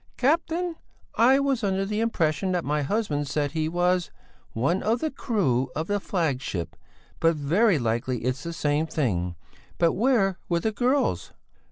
"Captain! I was under the impression that my husband said he was one of the crew of the flagship, but very likely it's the same thing. But where were the girls?"